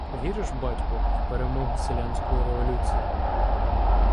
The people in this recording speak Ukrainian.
— Віриш, батьку, в перемогу селянської революції?